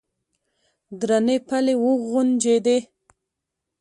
درنې پلې وغنجېدې.